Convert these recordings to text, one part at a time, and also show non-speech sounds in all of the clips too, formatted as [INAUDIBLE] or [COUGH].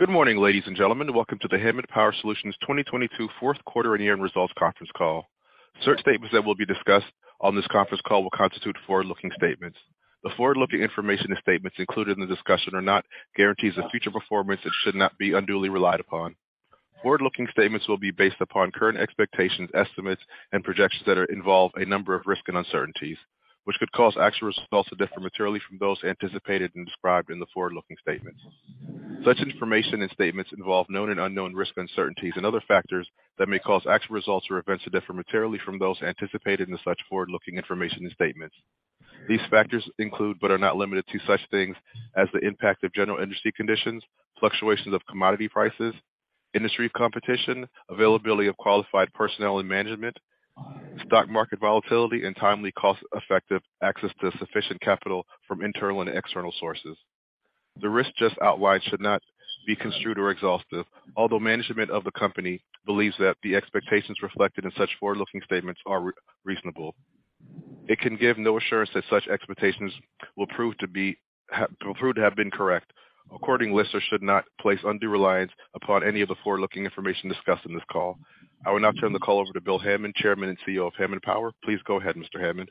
Good morning, ladies and gentlemen. Welcome to the Hammond Power Solutions 2022 fourth quarter and year-end results conference call. Certain statements that will be discussed on this conference call will constitute forward-looking statements. The forward-looking information and statements included in the discussion are not guarantees of future performance and should not be unduly relied upon. Forward-looking statements will be based upon current expectations, estimates, and projections that are involved a number of risks and uncertainties, which could cause actual results to differ materially from those anticipated and described in the forward-looking statements. Such information and statements involve known and unknown risks, uncertainties, and other factors that may cause actual results or events to differ materially from those anticipated in such forward-looking information and statements. These factors include, but are not limited to such things as the impact of general industry conditions, fluctuations of commodity prices, industry competition, availability of qualified personnel and management, stock market volatility, and timely cost-effective access to sufficient capital from internal and external sources. The risks just outlined should not be construed or exhaustive. Although management of the company believes that the expectations reflected in such forward-looking statements are reasonable, it can give no assurance that such expectations will prove to have been correct. Accordingly, listeners should not place undue reliance upon any of the forward-looking information discussed on this call. I will now turn the call over to Please go ahead, Mr. Hammond.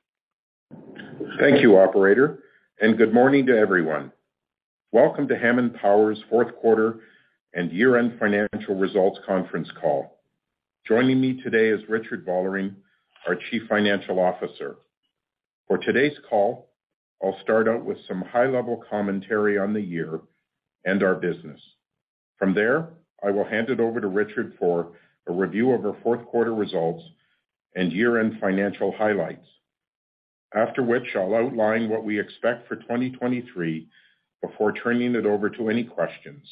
Thank you, operator, and good morning to everyone. Welcome to Hammond Power's fourth quarter and year-end financial results conference call. Joining me today is Richard Vollering, our Chief Financial Officer. For today's call, I'll start out with some high-level commentary on the year and our business. From there, I will hand it over to Richard for a review of our fourth quarter results and year-end financial highlights. After which, I'll outline what we expect for 2023 before turning it over to any questions.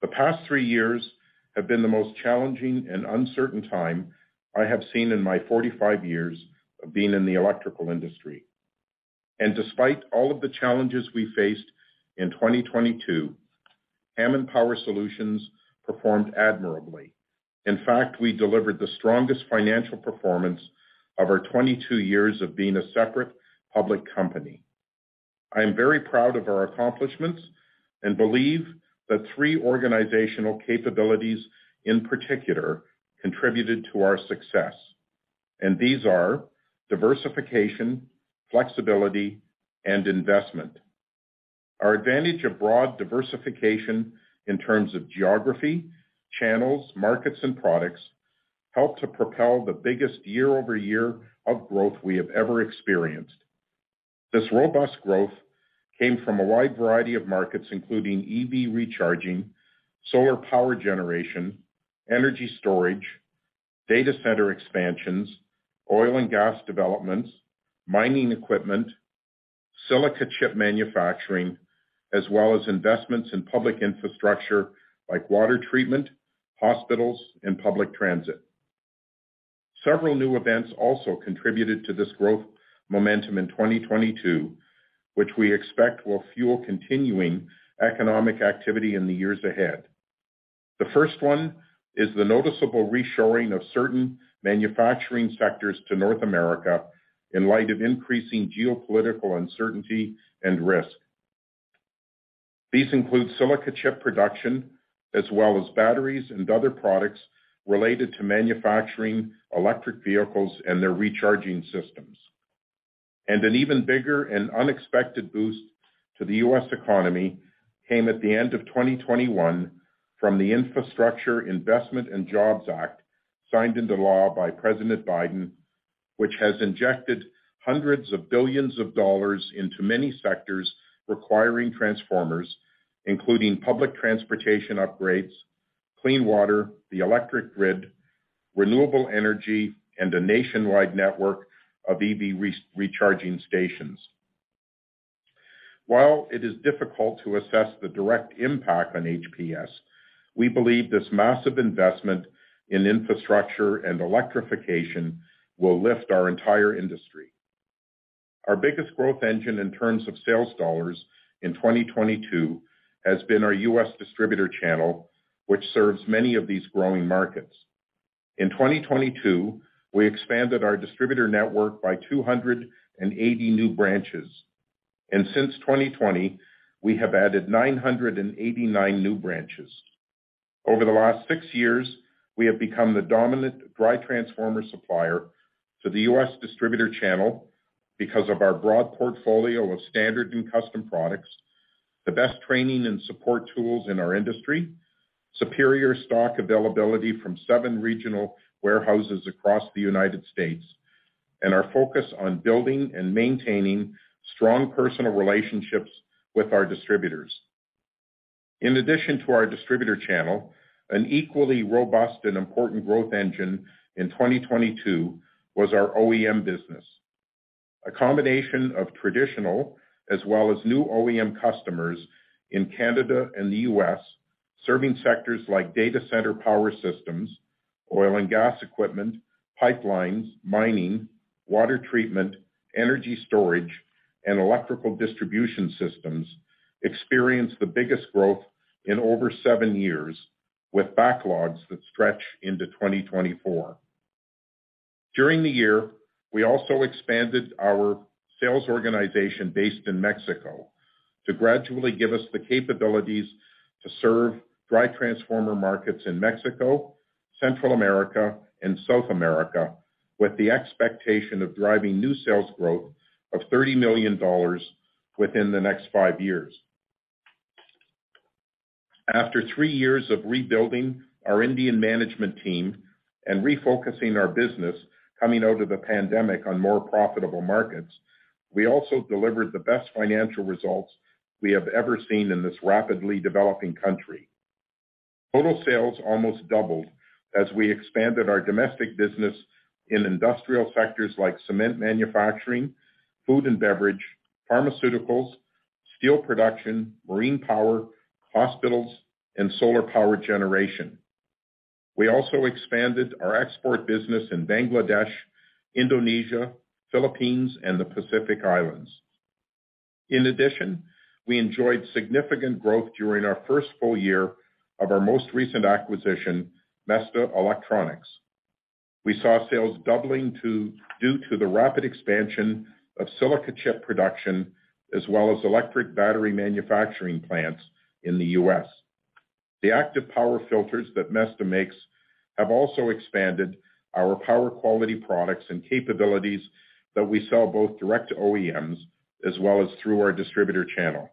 The past 3 years have been the most challenging and uncertain time I have seen in my 45 years of being in the electrical industry. Despite all of the challenges we faced in 2022, Hammond Power Solutions performed admirably. In fact, we delivered the strongest financial performance of our 22 years of being a separate public company. I am very proud of our accomplishments and believe that three organizational capabilities, in particular, contributed to our success. These are diversification, flexibility, and investment. Our advantage of broad diversification in terms of geography, channels, markets, and products helped to propel the biggest year-over-year of growth we have ever experienced. This robust growth came from a wide variety of markets, including EV recharging, solar power generation, energy storage, data center expansions, oil and gas developments, mining equipment, silicon chip manufacturing, as well as investments in public infrastructure like water treatment, hospitals, and public transit. Several new events also contributed to this growth momentum in 2022, which we expect will fuel continuing economic activity in the years ahead. The first one is the noticeable reshoring of certain manufacturing sectors to North America in light of increasing geopolitical uncertainty and risk. These include silicon chip production, as well as batteries and other products related to manufacturing electric vehicles and their recharging systems. An even bigger and unexpected boost to the U.S. economy came at the end of 2021 from the Infrastructure Investment and Jobs Act, signed into law by President Biden, which has injected hundreds of billions of dollars into many sectors requiring transformers, including public transportation upgrades, clean water, the electric grid, renewable energy, and a nationwide network of EV recharging stations. While it is difficult to assess the direct impact on HPS, we believe this massive investment in infrastructure and electrification will lift our entire industry. Our biggest growth engine in terms of sales dollars in 2022 has been our U.S. distributor channel, which serves many of these growing markets. In 2022, we expanded our distributor network by 280 new branches. Since 2020, we have added 989 new branches. Over the last 6 years, we have become the dominant dry-type transformer supplier to the U.S. distributor channel because of our broad portfolio of standard and custom products, the best training and support tools in our industry, superior stock availability from 7 regional warehouses across the U.S., and our focus on building and maintaining strong personal relationships with our distributors. In addition to our distributor channel, an equally robust and important growth engine in 2022 was our OEM business. A combination of traditional as well as new OEM customers in Canada and the U.S., serving sectors like data center power systems, oil and gas equipment, pipelines, mining, water treatment, energy storage, and electrical distribution systems experienced the biggest growth in over 7 years, with backlogs that stretch into 2024. During the year, we also expanded our sales organization based in Mexico to gradually give us the capabilities to serve dry transformer markets in Mexico, Central America, and South America, with the expectation of driving new sales growth of 30 million dollars within the next 5 years. After 3 years of rebuilding our Indian management team and refocusing our business coming out of the pandemic on more profitable markets, we also delivered the best financial results we have ever seen in this rapidly developing country. Total sales almost doubled as we expanded our domestic business in industrial sectors like cement manufacturing, food and beverage, pharmaceuticals, steel production, marine power, hospitals, and solar power generation. We also expanded our export business in Bangladesh, Indonesia, Philippines, and the Pacific Islands. In addition, we enjoyed significant growth during our first full year of our most recent acquisition, Mesta Electronics. We saw sales doubling due to the rapid expansion of silicon chip production as well as electric battery manufacturing plants in the US. The active power filters that Mesta makes have also expanded our power quality products and capabilities that we sell both direct to OEMs as well as through our distributor channel.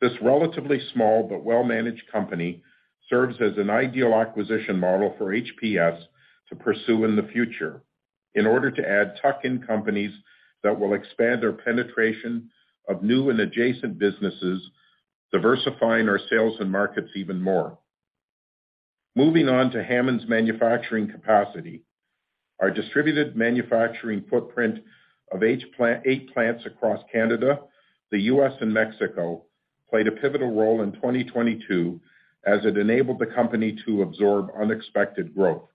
This relatively small but well-managed company serves as an ideal acquisition model for HPS to pursue in the future in order to add tuck-in companies that will expand our penetration of new and adjacent businesses, diversifying our sales and markets even more. Moving on to Hammond's manufacturing capacity. Our distributed manufacturing footprint of eight plants across Canada, the US, and Mexico, played a pivotal role in 2022 as it enabled the company to absorb unexpected growth.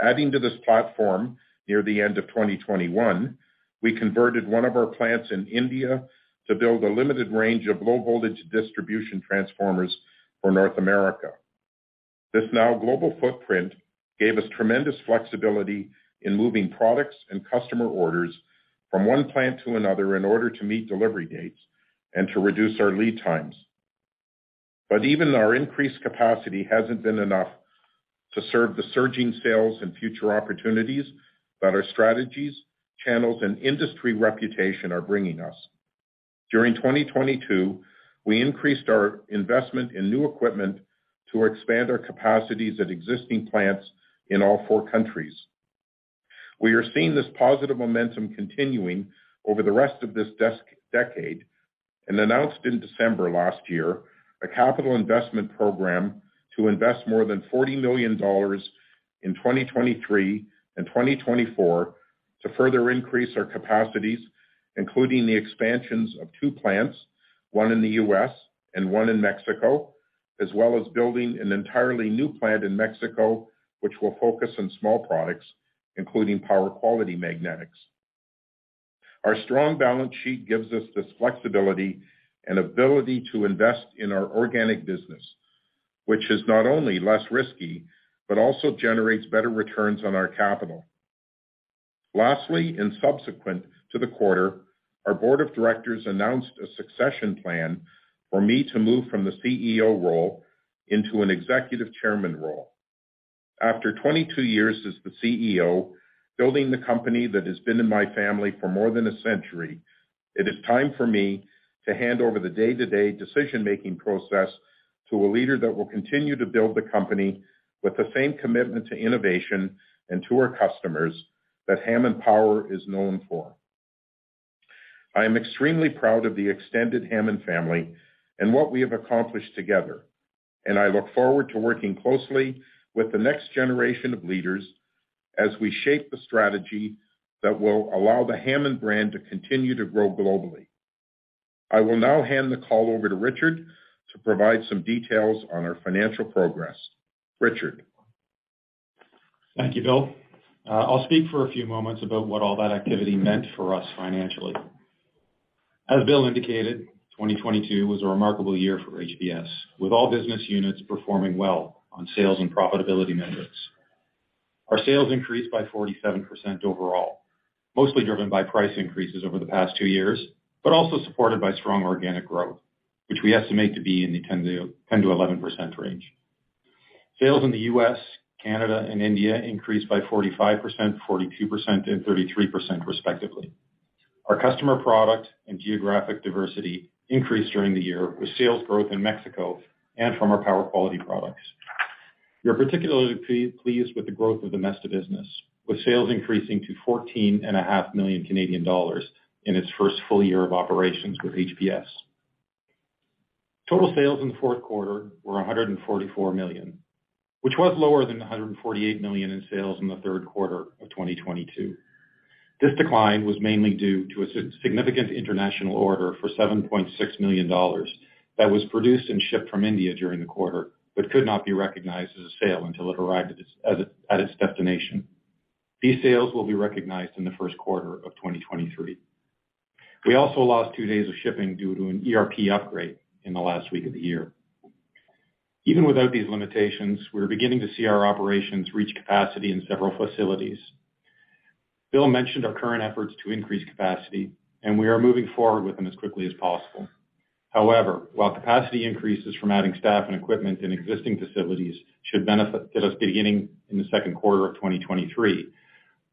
Adding to this platform near the end of 2021, we converted one of our plants in India to build a limited range of low-voltage distribution transformers for North America. This now global footprint gave us tremendous flexibility in moving products and customer orders from one plant to another in order to meet delivery dates and to reduce our lead times. Even our increased capacity hasn't been enough to serve the surging sales and future opportunities that our strategies, channels, and industry reputation are bringing us. During 2022, we increased our investment in new equipment to expand our capacities at existing plants in all four countries. We are seeing this positive momentum continuing over the rest of this decade and announced in December last year a capital investment program to invest more than 40 million dollars in 2023 and 2024 to further increase our capacities, including the expansions of two plants, one in the U.S. and one in Mexico, as well as building an entirely new plant in Mexico, which will focus on small products, including power quality magnetics. Our strong balance sheet gives us this flexibility and ability to invest in our organic business, which is not only less risky, but also generates better returns on our capital. Lastly, in subsequent to the quarter, our board of directors announced a succession plan for me to move from the CEO role into an executive chairman role. After 22 years as the CEO, building the company that has been in my family for more than a century, it is time for me to hand over the day-to-day decision-making process to a leader that will continue to build the company with the same commitment to innovation and to our customers that Hammond Power is known for. I am extremely proud of the extended Hammond family and what we have accomplished together. I look forward to working closely with the next generation of leaders as we shape the strategy that will allow the Hammond brand to continue to grow globally. I will now hand the call over to Richard to provide some details on our financial progress. Richard. Thank you, Bill. I'll speak for a few moments about what all that activity meant for us financially. As Bill indicated, 2022 was a remarkable year for HPS, with all business units performing well on sales and profitability metrics. Our sales increased by 47% overall, mostly driven by price increases over the past 2 years, but also supported by strong organic growth, which we estimate to be in the 10%-11% range. Sales in the US, Canada, and India increased by 45%, 42%, and 33% respectively. Our customer product and geographic diversity increased during the year with sales growth in Mexico and from our power quality products. We are particularly pleased with the growth of the Mesta business, with sales increasing to 14.5 million Canadian dollars in its first full year of operations with HPS. Total sales in the fourth quarter were 144 million, which was lower than 148 million in sales in the third quarter of 2022. This decline was mainly due to a significant international order for $7.6 million that was produced and shipped from India during the quarter, but could not be recognized as a sale until it arrived at its destination. These sales will be recognized in the first quarter of 2023. We also lost 2 days of shipping due to an ERP upgrade in the last week of the year. Even without these limitations, we're beginning to see our operations reach capacity in several facilities. Bill mentioned our current efforts to increase capacity, we are moving forward with them as quickly as possible. While capacity increases from adding staff and equipment in existing facilities should benefit us beginning in the second quarter of 2023,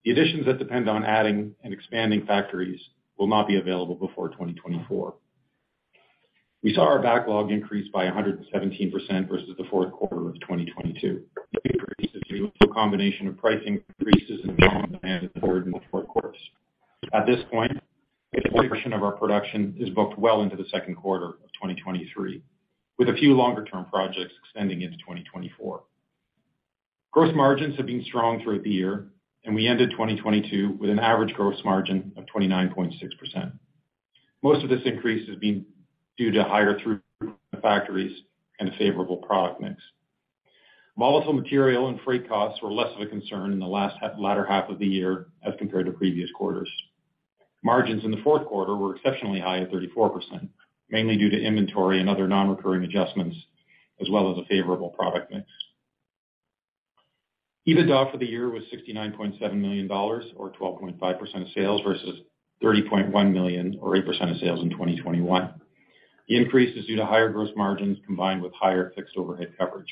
the additions that depend on adding and expanding factories will not be available before 2024. We saw our backlog increase by 117% versus the fourth quarter of 2022. The increase is due to a combination of pricing increases and strong demand toward the fourth quarters. At this point, 80% of our production is booked well into the second quarter of 2023, with a few longer-term projects extending into 2024. Gross margins have been strong throughout the year, and we ended 2022 with an average gross margin of 29.6%. Most of this increase has been due to higher through the factories and a favorable product mix. Volatile material and freight costs were less of a concern in the latter half of the year as compared to previous quarters. Margins in the fourth quarter were exceptionally high at 34%, mainly due to inventory and other non-recurring adjustments, as well as a favorable product mix. EBITDA for the year was $69.7 million, or 12.5% of sales versus $30.1 million, or 8% of sales in 2021. The increase is due to higher gross margins combined with higher fixed overhead coverage.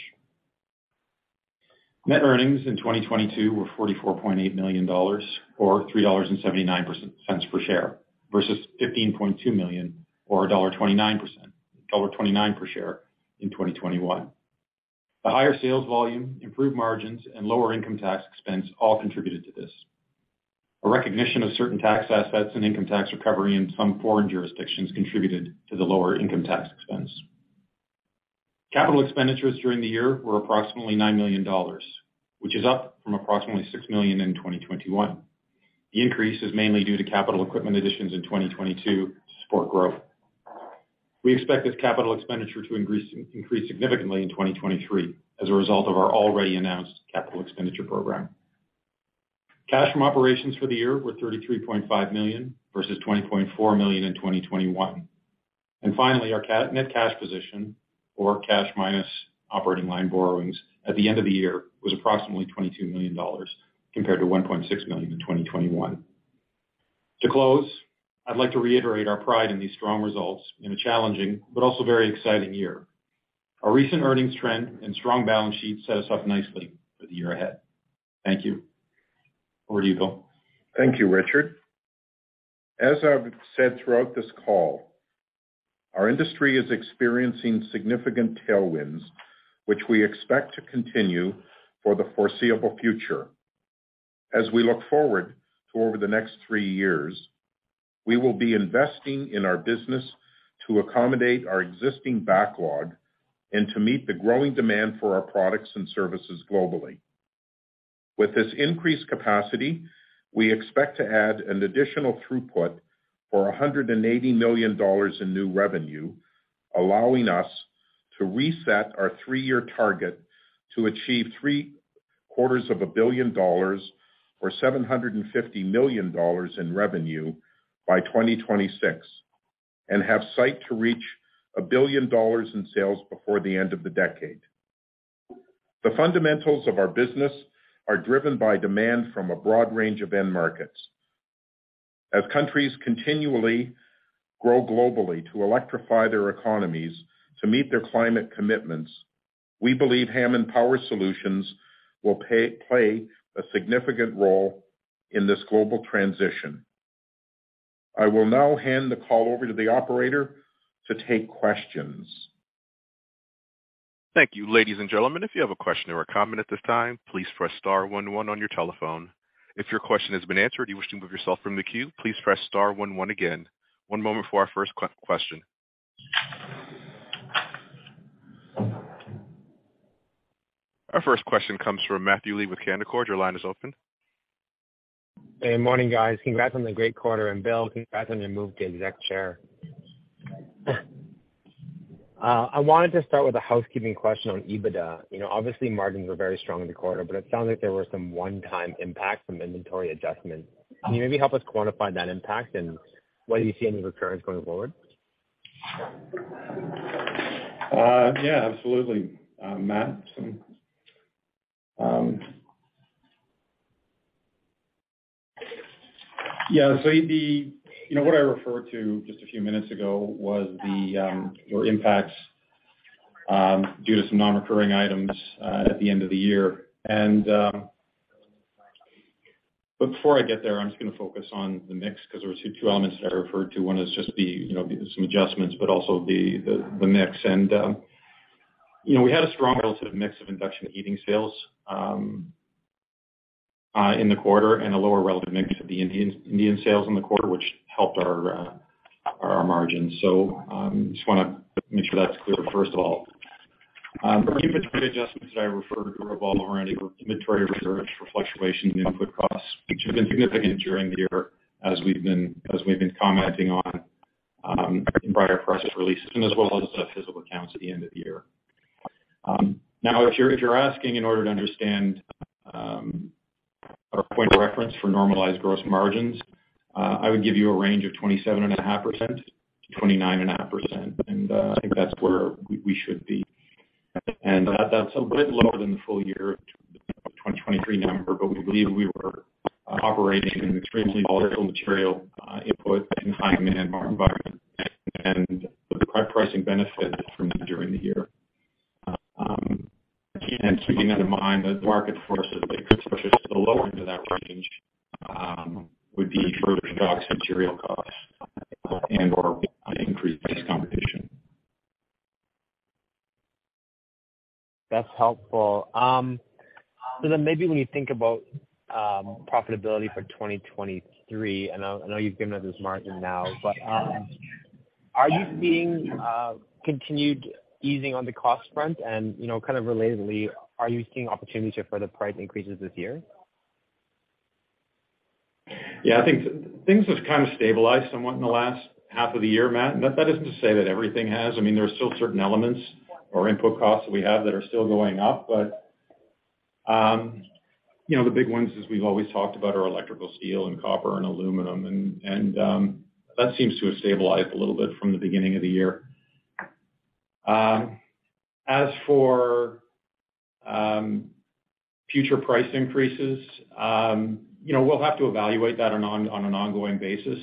Net earnings in 2022 were $44.8 million, or $3.79 per share, versus $15.2 million or $1.29 per share in 2021. A higher sales volume, improved margins, and lower income tax expense all contributed to this. A recognition of certain tax assets and income tax recovery in some foreign jurisdictions contributed to the lower income tax expense. Capital expenditures during the year were approximately 9 million dollars, which is up from approximately 6 million in 2021. The increase is mainly due to capital equipment additions in 2022 to support growth. We expect this capital expenditure to increase significantly in 2023 as a result of our already announced capital expenditure program. Cash from operations for the year were 33.5 million versus 20.4 million in 2021. Finally, our net cash position or cash minus operating line borrowings at the end of the year was approximately 22 million dollars compared to 1.6 million in 2021. To close, I'd like to reiterate our pride in these strong results in a challenging but also very exciting year. Our recent earnings trend and strong balance sheet set us up nicely for the year ahead. Thank you. Over to you, Bill. Thank you, Richard. As I've said throughout this call, our industry is experiencing significant tailwinds, which we expect to continue for the foreseeable future. We look forward to over the next three years, we will be investing in our business to accommodate our existing backlog and to meet the growing demand for our products and services globally. With this increased capacity, we expect to add an additional throughput for 180 million dollars in new revenue, allowing us to reset our three-year target to achieve three quarters of a billion CAD or 750 million dollars in revenue by 2026, and have sight to reach 1 billion dollars in sales before the end of the decade. The fundamentals of our business are driven by demand from a broad range of end markets. As countries continually grow globally to electrify their economies to meet their climate commitments, we believe Hammond Power Solutions will play a significant role in this global transition. I will now hand the call over to the operator to take questions. Thank you. Ladies and gentlemen, if you have a question or a comment at this time, please press star 11 on your telephone. If your question has been answered and you wish to remove yourself from the queue, please press star 11 again. One moment for our first question. Our first question comes from Matthew Lee with Canaccord. Your line is open. Good morning, guys. Congrats on the great quarter. Bill, congrats on your move to exec chair. I wanted to start with a housekeeping question on EBITDA. You know, obviously margins were very strong in the quarter, but it sounds like there were some one-time impacts from inventory adjustments. Can you maybe help us quantify that impact and whether you see any recurrence going forward? Yeah, absolutely. Matt, you know, what I referred to just a few minutes ago was the, your impacts, due to some non-recurring items, at the end of the year. Before I get there, I'm just gonna focus on the mix because there was two elements that I referred to. One is just the, you know, some adjustments, but also the mix. You know, we had a strong relative mix of induction heating sales in the quarter and a lower relative mix of the Indian sales in the quarter, which helped our margins. Just wanna make sure that's clear, first of all. Our inventory adjustments that I referred to revolve around inventory reserves for fluctuations in input costs, which have been significant during the year as we've been commenting on in prior press releases and as well as the fiscal accounts at the end of the year. Now if you're, if you're asking in order to understand Our point of reference for normalized gross margins, I would give you a range of 27.5%-29.5%, and I think that's where we should be. That's a bit lower than the full year of 2023 number, but we believe we were operating in an extremely volatile material input and high demand environment. With the pricing benefits from during the year. Keeping that in mind, the market forces that could push us to the lower end of that range, would be further shocks to material costs, and/or increased price competition. That's helpful. Maybe when you think about profitability for 2023, I know, I know you've given us this margin now, but are you seeing continued easing on the cost front? You know, kind of relatedly, are you seeing opportunities for further price increases this year? Yeah, I think things have kind of stabilized somewhat in the last half of the year, Matt. That isn't to say that everything has. I mean, there are still certain elements or input costs that we have that are still going up. You know, the big ones, as we've always talked about, are electrical steel and copper and aluminum and that seems to have stabilized a little bit from the beginning of the year. As for future price increases, you know, we'll have to evaluate that on an ongoing basis.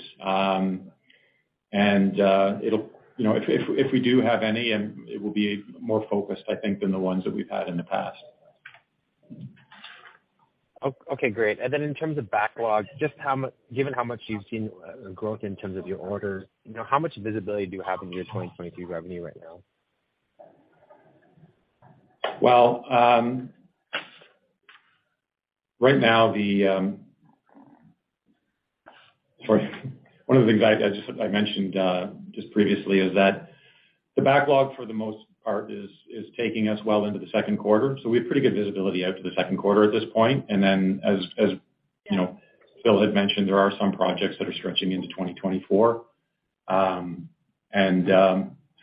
You know, if we do have any, it will be more focused, I think, than the ones that we've had in the past. Okay, great. In terms of backlog, just given how much you've seen growth in terms of your orders, you know, how much visibility do you have into your 2022 revenue right now? Well, right now, Sorry. One of the things I just mentioned, just previously is that the backlog for the most part is taking us well into the second quarter. We have pretty good visibility out to the second quarter at this point. Then as you know, Bill had mentioned, there are some projects that are stretching into 2024.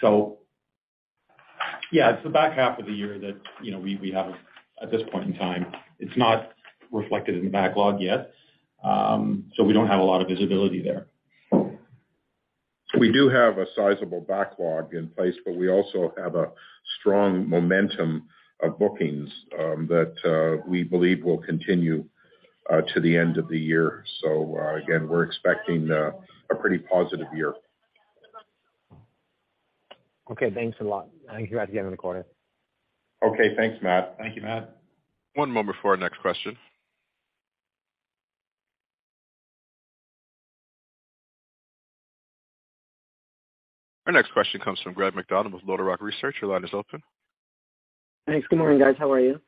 So yeah, it's the back half of the year that, you know, we have at this point in time. It's not reflected in the backlog yet, so we don't have a lot of visibility there. We do have a sizable backlog in place, but we also have a strong momentum of bookings that we believe will continue to the end of the year. Again, we're expecting a pretty positive year. Okay, thanks a lot. Thank you guys again on the quarter. Okay, thanks Matt. Thank you, Matt. One moment for our next question. Our next question comes from Greg MacDonald with LodeRock Research. Your line is open. Thanks. Good morning, guys. How are you?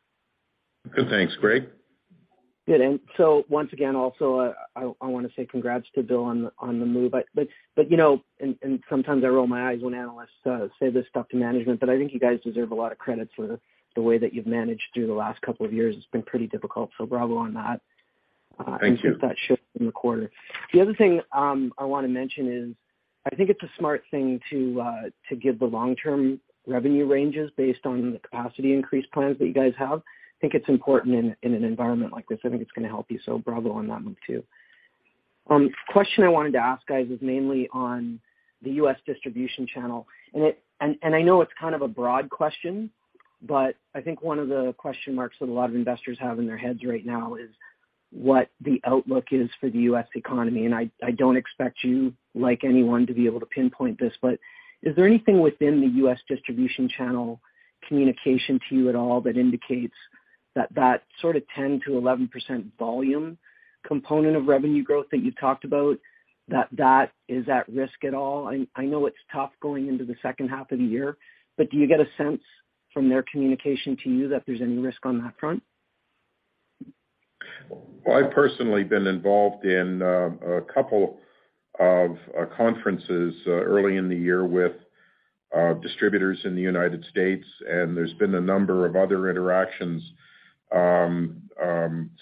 Good, thanks, Greg. Good. Once again, also, I wanna say congrats to Bill on the move. You know, and sometimes I roll my eyes when analysts say this stuff to management, but I think you guys deserve a lot of credit for the way that you've managed through the last couple of years. It's been pretty difficult, bravo on that. Thank you. That shift in the quarter. The other thing, I wanna mention is I think it's a smart thing to give the long-term revenue ranges based on the capacity increase plans that you guys have. I think it's important in an environment like this. I think it's gonna help you, so bravo on that move too. Question I wanted to ask guys is mainly on the U.S. distribution channel. I know it's kind of a broad question, but I think one of the question marks that a lot of investors have in their heads right now is what the outlook is for the U.S. economy. I don't expect you, like anyone, to be able to pinpoint this, but is there anything within the US distribution channel communication to you at all that indicates that sort of 10%-11% volume component of revenue growth that you talked about, that is at risk at all? I know it's tough going into the second half of the year, but do you get a sense from their communication to you that there's any risk on that front? Well, I've personally been involved in a couple of conferences early in the year with distributors in the United States, and there's been a number of other interactions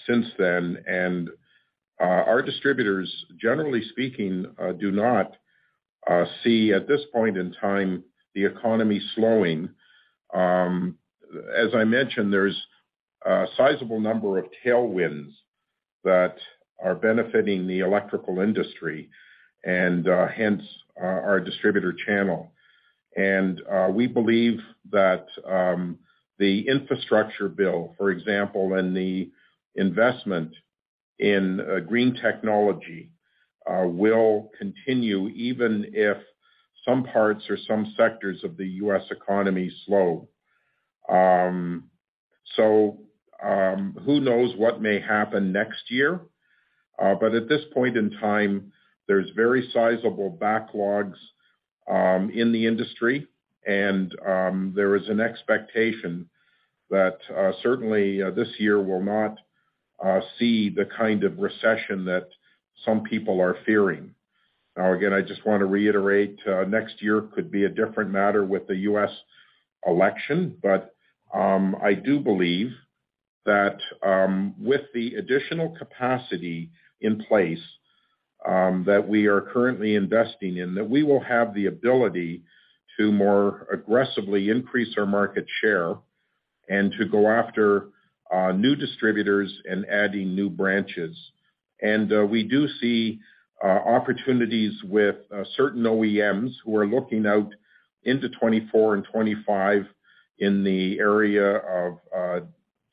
since then. Our distributors, generally speaking, do not see at this point in time the economy slowing. As I mentioned, there's a sizable number of tailwinds that are benefiting the electrical industry and hence our distributor channel. We believe that the infrastructure bill, for example, and the investment in green technology will continue even if some parts or some sectors of the U.S. economy slow. Who knows what may happen next year? At this point in time, there's very sizable backlogs in the industry and there is an expectation that certainly this year will not see the kind of recession that some people are fearing. Now, again, I just wanna reiterate, next year could be a different matter with the U.S. election, but I do believe that with the additional capacity in place, that we are currently investing in, that we will have the ability to more aggressively increase our market share and to go after new distributors and adding new branches. We do see opportunities with certain OEMs who are looking out into '24 and '25 in the area of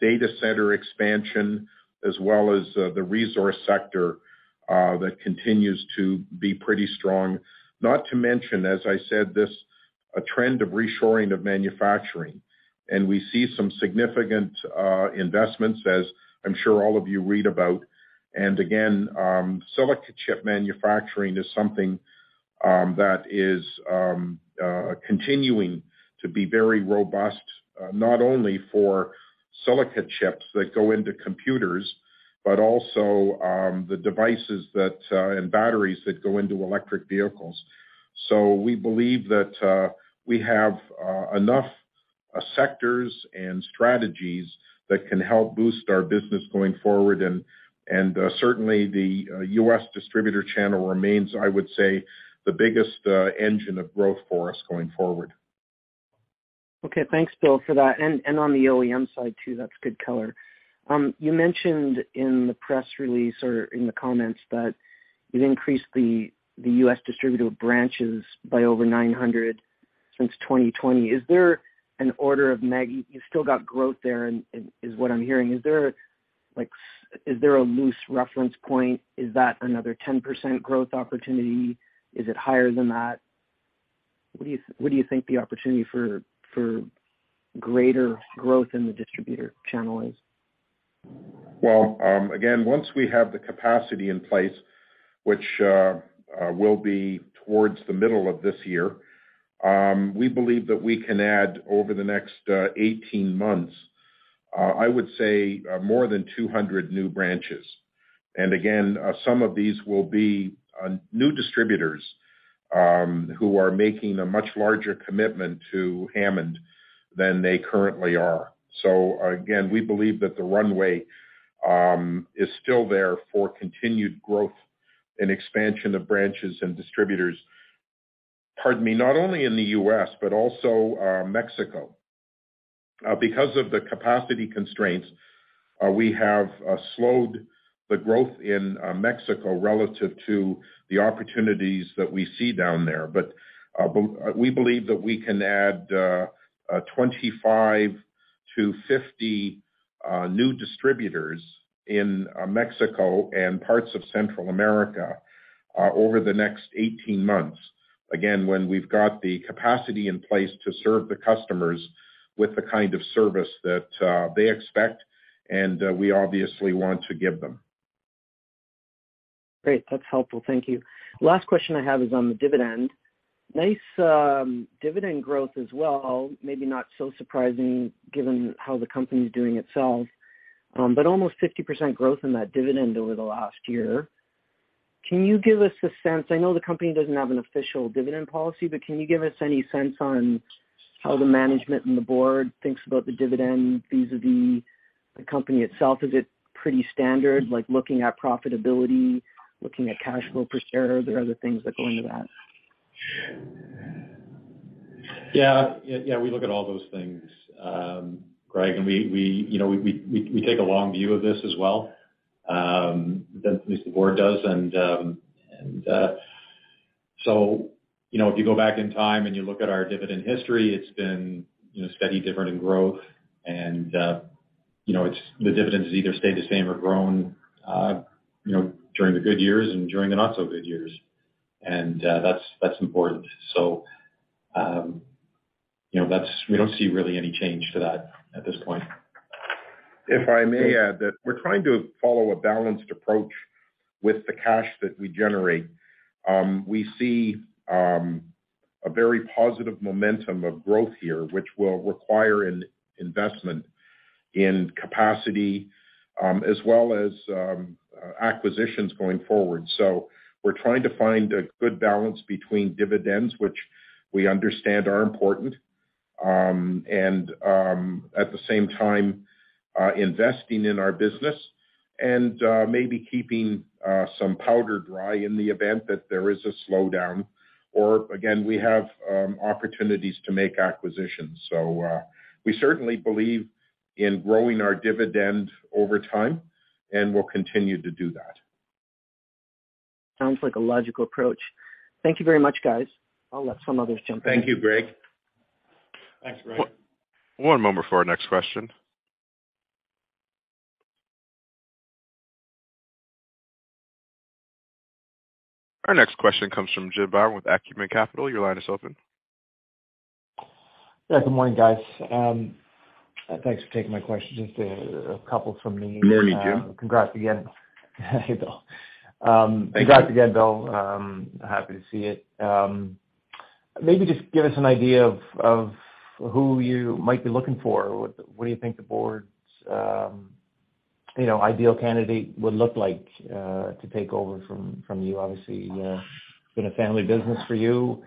data center expansion as well as the resource sector that continues to be pretty strong. Not to mention, as I said, a trend of reshoring of manufacturing. We see some significant investments as I'm sure all of you read about. Again, silicon chip manufacturing is something that is continuing to be very robust, not only for silicon chips that go into computers, but also the devices that and batteries that go into electric vehicles. We believe that we have enough sectors and strategies that can help boost our business going forward. Certainly the U.S. distributor channel remains, I would say, the biggest engine of growth for us going forward. Okay. Thanks, Bill, for that. On the OEM side too, that's good color. You mentioned in the press release or in the comments that you've increased the U.S. distributor branches by over 900 since 2020. Is there an order of magnitude? You've still got growth there, and is what I'm hearing. Is there, like, is there a loose reference point? Is that another 10% growth opportunity? Is it higher than that? What do you think the opportunity for greater growth in the distributor channel is? Well, again, once we have the capacity in place, which will be towards the middle of this year, we believe that we can add over the next 18 months, I would say, more than 200 new branches. Again, some of these will be new distributors who are making a much larger commitment to Hammond than they currently are. Again, we believe that the runway is still there for continued growth and expansion of branches and distributors. Pardon me, not only in the U.S., but also Mexico. Because of the capacity constraints, we have slowed the growth in Mexico relative to the opportunities that we see down there. We believe that we can add a 25-50 new distributors in Mexico and parts of Central America over the next 18 months, again, when we've got the capacity in place to serve the customers with the kind of service that they expect and we obviously want to give them. Great. That's helpful. Thank you. Last question I have is on the dividend. Nice, dividend growth as well, maybe not so surprising given how the company's doing itself. Almost 50% growth in that dividend over the last year. I know the company doesn't have an official dividend policy, but can you give us any sense on how the management and the board thinks about the dividend vis-a-vis the company itself? Is it pretty standard, like looking at profitability, looking at cash flow per share? Are there other things that go into that? Yeah. We look at all those things, Greg. We, you know, we take a long view of this as well, at least the board does. You know, if you go back in time and you look at our dividend history, it's been, you know, steady dividend growth. You know, the dividend has either stayed the same or grown, you know, during the good years and during the not so good years. That's important. You know, we don't see really any change to that at this point. If I may add that we're trying to follow a balanced approach with the cash that we generate. We see a very positive momentum of growth here, which will require an investment in capacity, as well as acquisitions going forward. We're trying to find a good balance between dividends, which we understand are important, and at the same time, investing in our business and maybe keeping some powder dry in the event that there is a slowdown or again, we have opportunities to make acquisitions. We certainly believe in growing our dividend over time, and we'll continue to do that. Sounds like a logical approach. Thank you very much, guys. I'll let some others jump in. Thank you, Greg. Thanks, Greg. One moment for our next question. Our next question comes from Jim Byrne with Acumen Capital. Your line is open. Good morning, guys. Thanks for taking my questions. Just a couple from me. Morning, Jim. Congrats again. Hey, Bill. Thank you. Congrats again, Bill. Happy to see it. Maybe just give us an idea of who you might be looking for. What do you think the board's, you know, ideal candidate would look like to take over from you obviously? It's been a family business for you.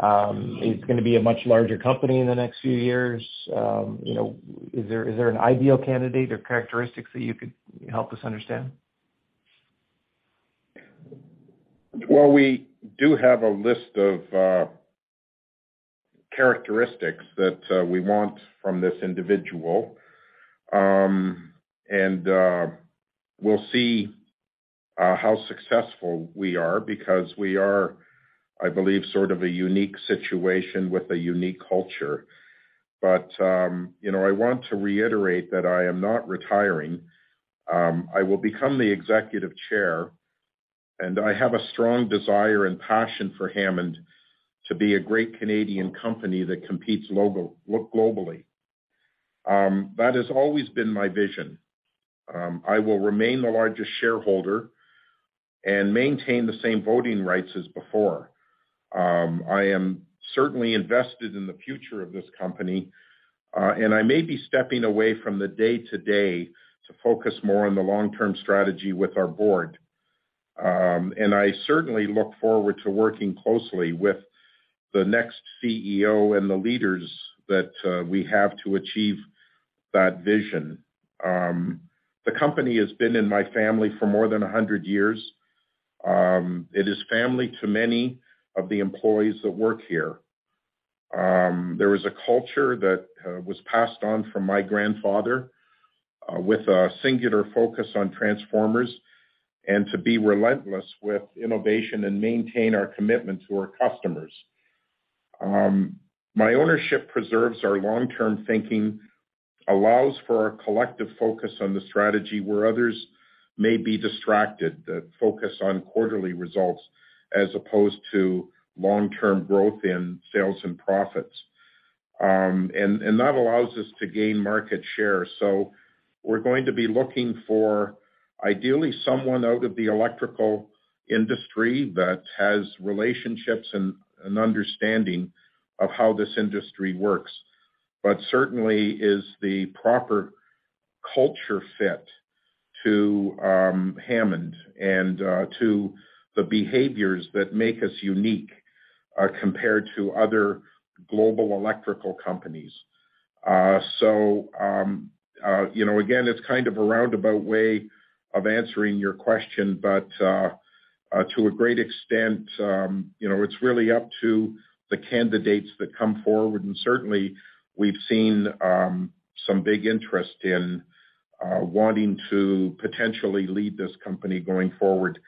It's gonna be a much larger company in the next few years. You know, is there an ideal candidate or characteristics that you could help us understand? Well, we do have a list of characteristics that we want from this individual. We'll see how successful we are because we are, I believe, sort of a unique situation with a unique culture. You know, I want to reiterate that I am not retiring. I will become the executive chair, and I have a strong desire and passion for Hammond to be a great Canadian company that competes globally. That has always been my vision. I will remain the largest shareholder and maintain the same voting rights as before. I am certainly invested in the future of this company, and I may be stepping away from the day-to-day to focus more on the long-term strategy with our board. I certainly look forward to working closely with the next CEO and the leaders that we have to achieve that vision. The company has been in my family for more than 100 years. It is family to many of the employees that work here. There is a culture that was passed on from my grandfather with a singular focus on transformers and to be relentless with innovation and maintain our commitment to our customers. My ownership preserves our long-term thinking, allows for our collective focus on the strategy where others may be distracted, the focus on quarterly results as opposed to long-term growth in sales and profits. That allows us to gain market share. We're going to be looking for, ideally, someone out of the electrical industry that has relationships and understanding of how this industry works. Certainly is the proper culture fit to Hammond and to the behaviors that make us unique compared to other global electrical companies. You know, again, it's kind of a roundabout way of answering your question, but, to a great extent, you know, it's really up to the candidates that come forward. Certainly, we've seen some big interest in wanting to potentially lead this company going forward.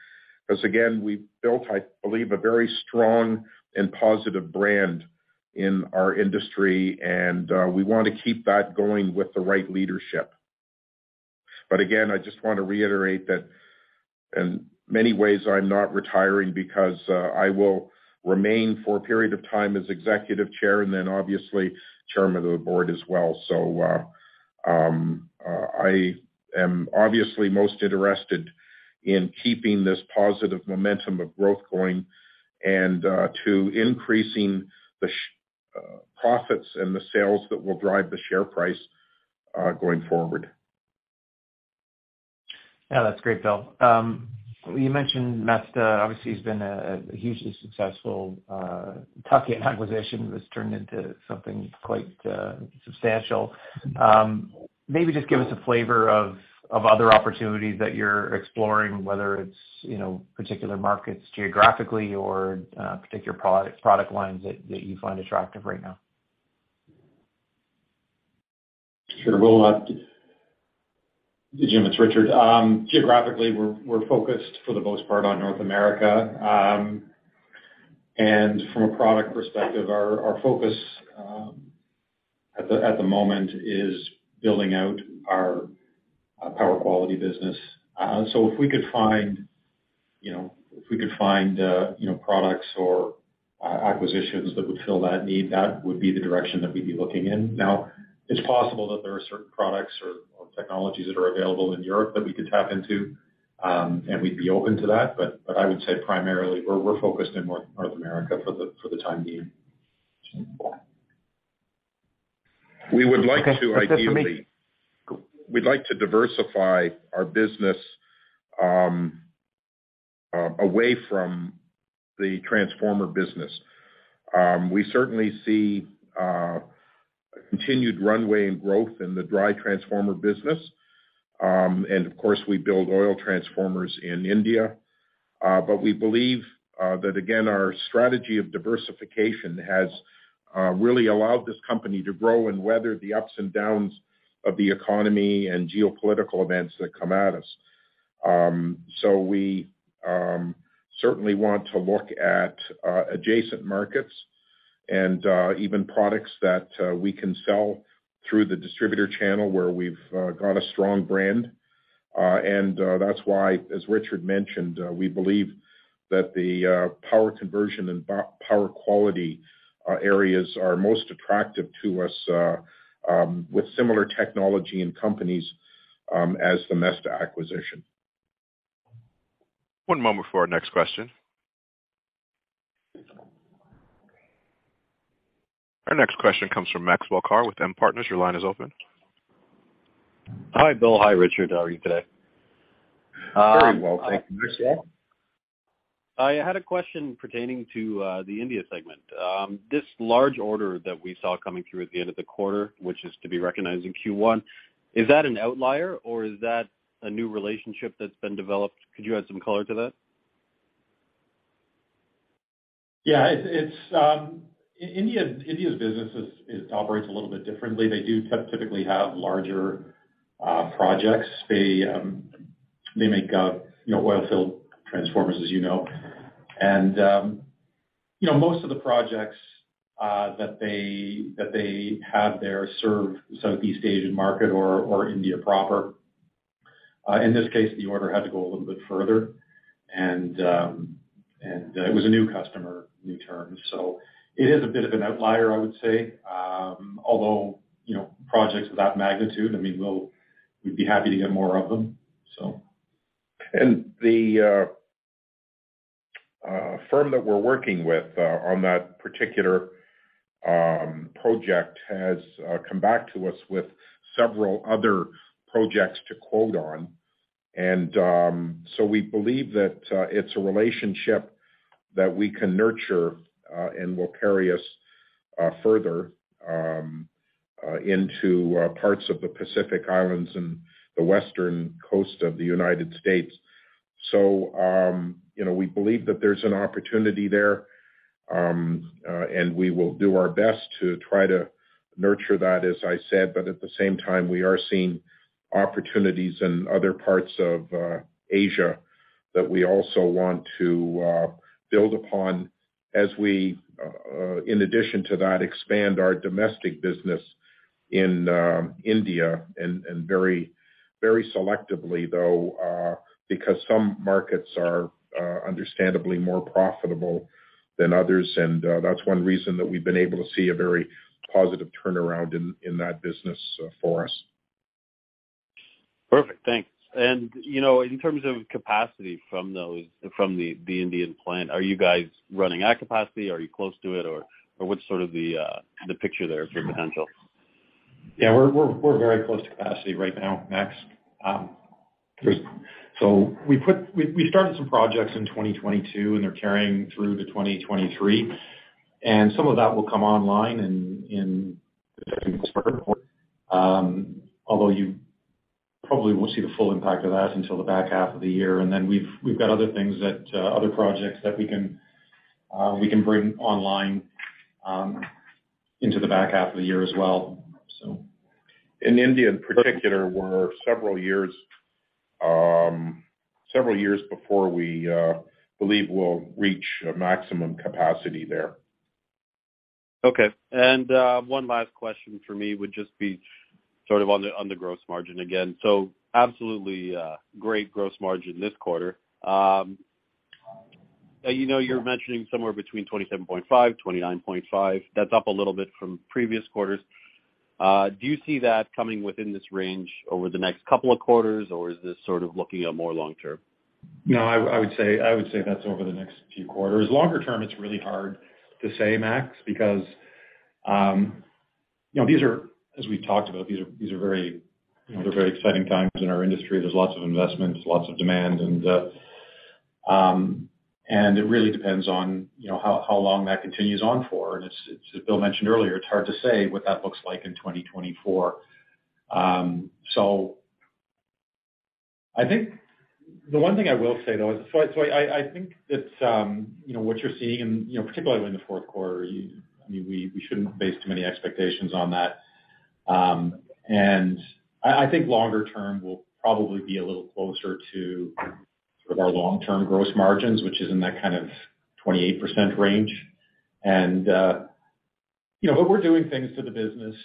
Again, we've built, I believe, a very strong and positive brand in our industry, and we wanna keep that going with the right leadership. Again, I just want to reiterate that in many ways, I'm not retiring because, I will remain for a period of time as executive chair and then obviously, chairman of the board as well. I am obviously most interested in keeping this positive momentum of growth going and, to increasing the profits and the sales that will drive the share price, going forward. Yeah. That's great, Bill. You mentioned Mesta obviously has been a hugely successful tuck-in acquisition that's turned into something quite substantial. Maybe just give us a flavor of other opportunities that you're exploring, whether it's, you know, particular markets geographically or particular product lines that you find attractive right now. Sure. Well, Jim, it's Richard. Geographically, we're focused for the most part on North America. From a product perspective, our focus at the moment is building out our power quality business. If we could find, you know, if we could find, you know, products or acquisitions that would fill that need, that would be the direction that we'd be looking in. Now, it's possible that there are certain products or technologies that are available in Europe that we could tap into, and we'd be open to that. I would say primarily we're focused in North America for the time being. Sure. We would like to. Mr. Smith. We'd like to diversify our business away from the transformer business. We certainly see a continued runway in growth in the dry-type transformer business. Of course, we build oil transformers in India. We believe that again, our strategy of diversification has really allowed this company to grow and weather the ups and downs of the economy and geopolitical events that come at us. We certainly want to look at adjacent markets and even products that we can sell through the distributor channel where we've got a strong brand. That's why, as Richard mentioned, we believe that the power conversion and power quality areas are most attractive to us with similar technology and companies as the Mesta acquisition. One moment for our next question. Our next question comes from Maxwell Carr with M Partners. Your line is open. Hi, Bill. Hi, Richard. How are you today? Very well, [CROSSTALK] thank you. I had a question pertaining to the India segment. This large order that we saw coming through at the end of the quarter, which is to be recognized in Q1, is that an outlier, or is that a new relationship that's been developed? Could you add some color to that? Yeah, it's India's business operates a little bit differently. They do typically have larger projects. They make, you know, oil-filled transformers, as you know. You know, most of the projects that they have there serve Southeast Asian market or India proper. In this case, the order had to go a little bit further and it was a new customer, new term. It is a bit of an outlier, I would say. Although, you know, projects of that magnitude, I mean, we'd be happy to get more of them, so. The firm that we're working with on that particular project has come back to us with several other projects to quote on. We believe that it's a relationship that we can nurture and will carry us further into parts of the Pacific Islands and the western coast of the United States. You know, we believe that there's an opportunity there, and we will do our best to try to nurture that, as I said, but at the same time, we are seeing opportunities in other parts of Asia that we also want to build upon as we, in addition to that, expand our domestic business in India and very selectively, though, because some markets are understandably more profitable than others. That's one reason that we've been able to see a very positive turnaround in that business, for us. Perfect. Thanks. You know, in terms of capacity from the Indian plant, are you guys running at capacity? Are you close to it? What's sort of the picture there for potential? Yeah, we're very close to capacity right now, Max. We started some projects in 2022, and they're carrying through to 2023, and some of that will come online in the second quarter. Although you probably won't see the full impact of that until the back half of the year. We've got other things that other projects that we can bring online into the back half of the year as well, so. In India in particular, we're several years before we believe we'll reach a maximum capacity there. Okay. One last question for me would just be sort of on the, on the gross margin again. Absolutely, great gross margin this quarter. You know, you're mentioning somewhere between 27.5%-29.5%. That's up a little bit from previous quarters. Do you see that coming within this range over the next couple of quarters, or is this sort of looking at more long term? No, I would say that's over the next few quarters. Longer term, it's really hard to say, Max, because, you know, these are, as we've talked about, these are very, you know, they're very exciting times in our industry. There's lots of investment, there's lots of demand. It really depends on, you know, how long that continues on for. As Bill mentioned earlier, it's hard to say what that looks like in 2024. I think the one thing I will say, though, so I think it's, you know, what you're seeing and, you know, particularly in the fourth quarter, I mean, we shouldn't base too many expectations on that. I think longer term will probably be a little closer to sort of our long-term gross margins, which is in that kind of 28% range. You know, but we're doing things to the business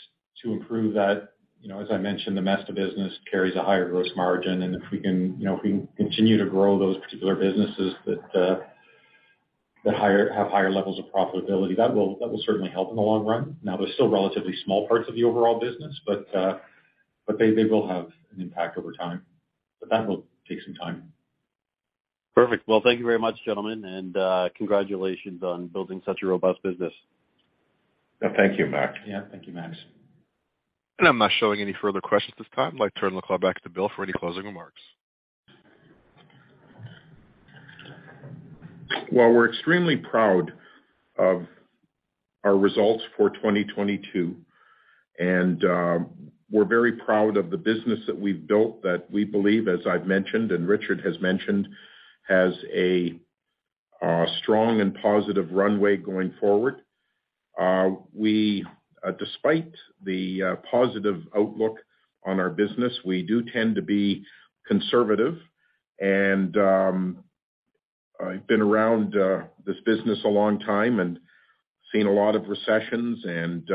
to improve that. You know, as I mentioned, the Mesta business carries a higher gross margin. If we can, you know, if we can continue to grow those particular businesses that have higher levels of profitability, that will certainly help in the long run. Now, they're still relatively small parts of the overall business, but they will have an impact over time. That will take some time. Perfect. Well, thank you very much, gentlemen, and congratulations on building such a robust business. Thank you, Max. Yeah. Thank you, Max. I'm not showing any further questions at this time. I'd like to turn the call back to Bill for any closing remarks. Well, we're extremely proud of our results for 2022, and we're very proud of the business that we've built, that we believe, as I've mentioned and Richard has mentioned, has a strong and positive runway going forward. We, despite the positive outlook on our business, we do tend to be conservative. And I've been around this business a long time and seen a lot of recessions and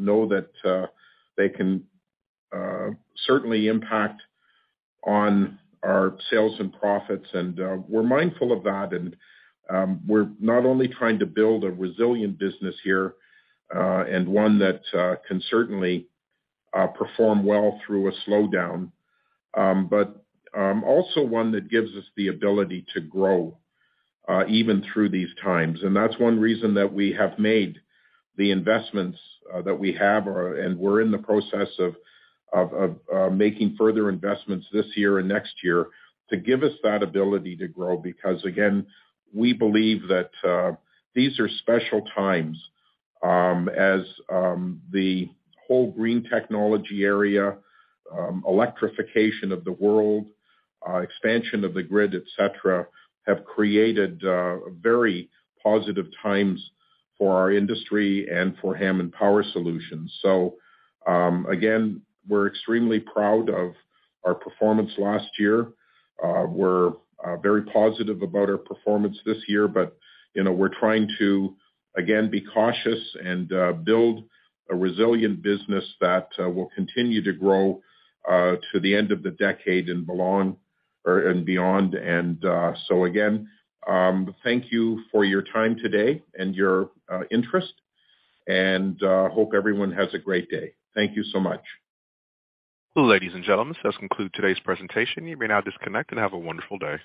know that they can certainly impact on our sales and profits, and we're mindful of that. We're not only trying to build a resilient business here, and one that can certainly perform well through a slowdown, but also one that gives us the ability to grow even through these times. That's one reason that we have made the investments that we have, and we're in the process of making further investments this year and next year to give us that ability to grow. Because again, we believe that these are special times, as the whole green technology area, electrification of the world, expansion of the grid, et cetera, have created very positive times for our industry and for Hammond Power Solutions. Again, we're extremely proud of our performance last year. We're very positive about our performance this year, but, you know, we're trying to, again, be cautious and build a resilient business that will continue to grow to the end of the decade and belong or, and beyond. So again, thank you for your time today and your interest. Hope everyone has a great day. Thank you so much. Ladies and gentlemen, this does conclude today's presentation. You may now disconnect and have a wonderful day.